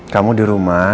kamu di rumah